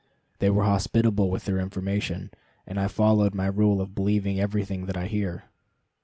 They were hospitable with their information, and I followed my rule of believing everything that I hear.